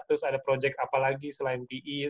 terus ada project apa lagi selain pe